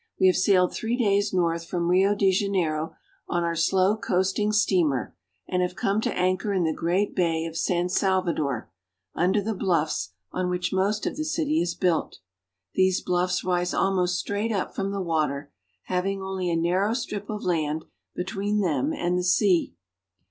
We have sailed three days north from Rio de Janeiro on our slow coasting steamer, and have come to anchor in the great Bay of San Salvador, under the bluffs on which most of the city is built. These bluffs rise almost straight up from the water, having only a narrow strip of land between them and the sea.